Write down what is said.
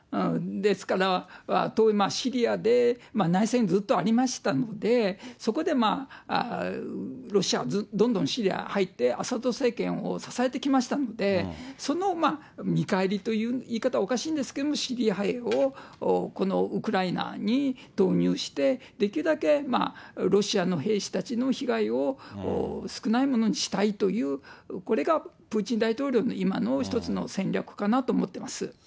ですから、シリアで内戦ずっとありましたので、そこでロシアはどんどんシリア入って、アサド政権を支えてきましたので、その見返りという言い方はおかしいんですけど、シリア兵をこのウクライナに導入して、できるだけロシアの兵士たちの被害を少ないものにしたいという、これがプーチン大統領の今の一つの戦略かなと思っています。